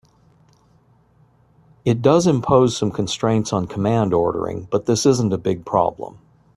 It does impose some constraints on command ordering, but this isn't a big problem.